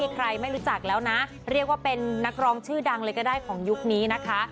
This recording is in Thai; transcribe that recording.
ใครไม่รู้จักแล้วนะเรียกว่าเป็นนักร้องชื่อดังเลยก็ได้ของยุคนี้นะคะ